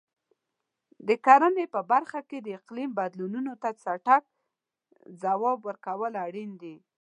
د کرنې په برخه کې د اقلیم بدلونونو ته چټک ځواب ورکول اړین دي.